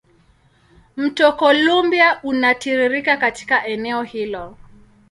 Mto Columbia unatiririka katika eneo hilo.